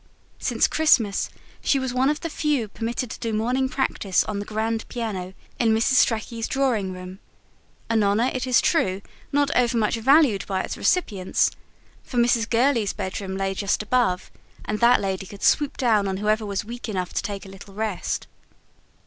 Since Christmas, she was one of the few permitted to do morning practice on the grand piano in Mrs. Strachey's drawing room an honour, it is true, not overmuch valued by its recipients, for Mrs. Gurley's bedroom lay just above, and that lady could swoop down on whoever was weak enough to take a little rest.